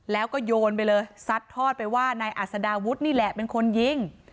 แล้วก็โยนไปเลยซัดทอดไปว่านายอัศดาวุฒินี่แหละเป็นคนยิง